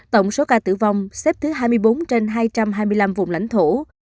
tổng số ca tử vong xếp thứ hai mươi bốn trên hai trăm hai mươi năm vùng lãnh thổ